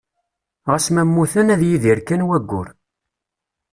Ɣas ma mmuten, ad yidir kan wayyur.